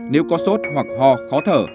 nếu có sốt hoặc ho khó thở